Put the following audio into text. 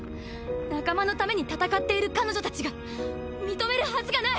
仲間のために戦っている彼女たちが認めるはずがない。